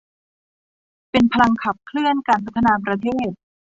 เป็นพลังขับเคลื่อนการพัฒนาประเทศ